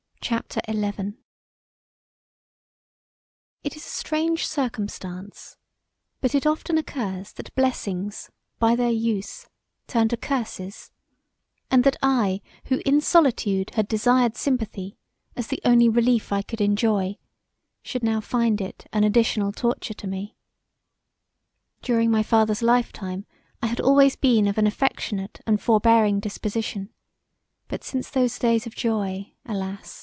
CHAPTER XI It is a strange circumstance but it often occurs that blessings by their use turn to curses; and that I who in solitude had desired sympathy as the only relief I could enjoy should now find it an additional torture to me. During my father's life time I had always been of an affectionate and forbearing disposition, but since those days of joy alas!